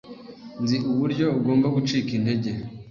Nzi uburyo ugomba gucika intege.